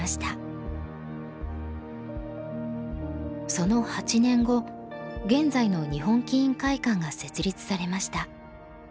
その８年後現在の日本棋院会館が設立されました。